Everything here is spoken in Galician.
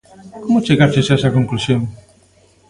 Como chegaches a esta conclusión?